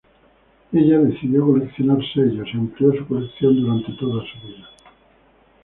Ella decidió coleccionar sellos y amplió su colección durante toda su vida.